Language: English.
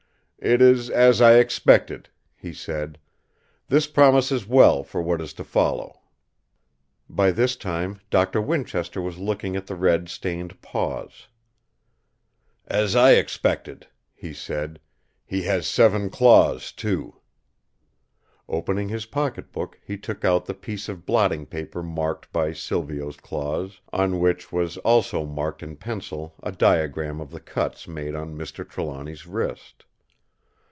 "It is as I expected," he said. "This promises well for what is to follow." By this time Doctor Winchester was looking at the red stained paws. "As I expected!" he said. "He has seven claws, too!" Opening his pocket book, he took out the piece of blotting paper marked by Silvio's claws, on which was also marked in pencil a diagram of the cuts made on Mr. Trelawny's wrist.